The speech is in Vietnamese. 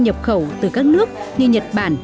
nhập khẩu từ các nước như nhật bản